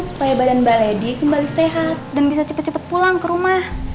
supaya badan mbak lady kembali sehat dan bisa cepat cepat pulang ke rumah